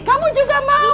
kamu juga mau